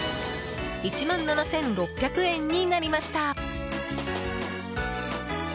１万７６００円になりました。